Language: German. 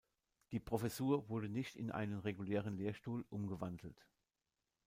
Die Professur wurde nicht in einen regulären Lehrstuhl umgewandelt.